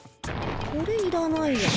これいらないや。